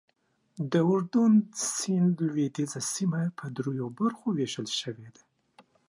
د اردن سیند لوېدیځه سیمه په دریو برخو ویشل شوې ده.